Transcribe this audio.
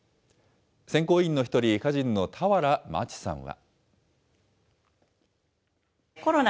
選考委員の一人、歌人の俵万智さんは。